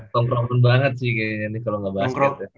tongkrong pun banget sih kayaknya nih kalau nggak basket ya